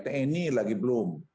tni lagi belum